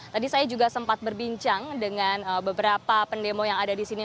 tadi saya juga sempat berbincang dengan beberapa pendemo yang ada di sini